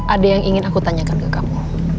ada yang ingin aku tanyakan ke kamu